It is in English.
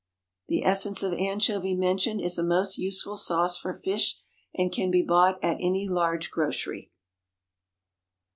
The essence of anchovy mentioned is a most useful sauce for fish, and can be bought at any large grocery.